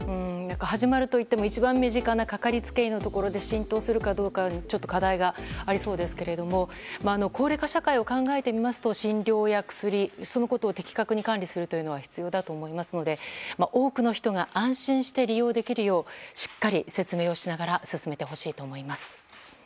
始まるといっても一番身近なかかりつけ医で浸透するかどうか課題がありそうですが高齢化社会を考えてみますと診療や薬のことを的確に管理するというのは必要だと思いますので多くの人が安心して利用できるようしっかり説明しながら進めてほしいと思います。